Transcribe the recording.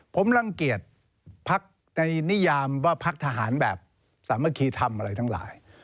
ผมรังเกียจพักในนิยามว่าพักทหารแบบสามัคคีทำอะไรทั้งหลาย